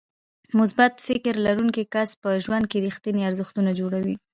مثبت فکر لرونکی کس په ژوند کې رېښتيني ارزښتونه جوړوي.